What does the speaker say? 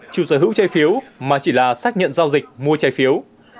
chủ sở hữu trái phiếu mà chỉ là xác nhận giao dịch mua trái phiếu